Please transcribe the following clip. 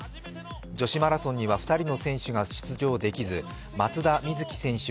女子マラソンには２人の選手が出場できず、松田瑞生選手